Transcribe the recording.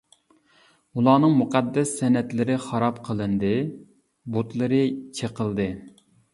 ئۇلارنىڭ مۇقەددەس سەنئەتلىرى خاراب قىلىندى، بۇتلىرى چېقىلدى.